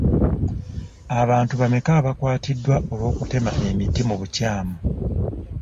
Abantu bameka abakwatiddwa olw'okutema emiti mu bukyamu?